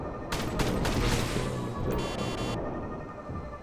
Era equivalente al actual estado de Acre.